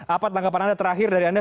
apa tanggapan anda terakhir dari anda